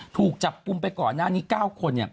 ถูกจับกลุ่มไปก่อนหน้านี้๙คน